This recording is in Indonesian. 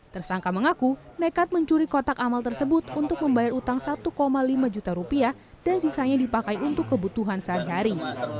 tersangka mengaku nekat mencuri kotak amal tersebut untuk membayar utang satu lima juta rupiah dan sisanya dipakai untuk kebutuhan sehari hari